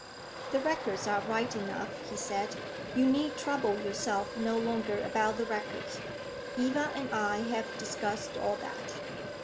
"The records are right enough," he said; "you need trouble yourself no longer about the records. Eva and I have discussed all that."